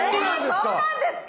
え⁉そうなんですか？